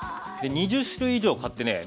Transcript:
２０種類以上買ってね